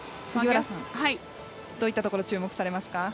どういったところに注目されますか？